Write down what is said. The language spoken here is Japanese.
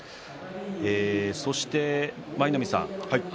そして舞の海さん